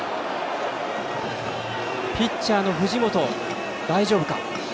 ピッチャーの藤本、大丈夫か？